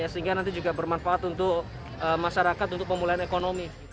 sehingga nanti juga bermanfaat untuk masyarakat untuk pemulihan ekonomi